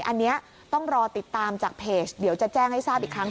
อันนี้ต้องรอติดตามจากเพจเดี๋ยวจะแจ้งให้ทราบอีกครั้ง